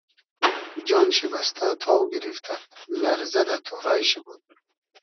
جان شی بئستۂ تاو گیریفتئد لئرزۂ دۂ تۉرای شی بود